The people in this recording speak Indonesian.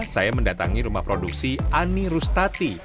saya mendatangi rumah produksi ani rustati